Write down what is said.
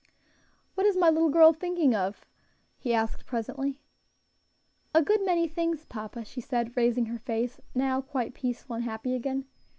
"What is my little girl thinking of?" he asked presently. "A good many things, papa," she said, raising her face, now quite peaceful and happy again.